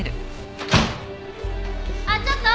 あっちょっと！